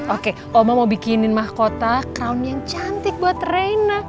oke oma mau bikinin mahkota count yang cantik buat reina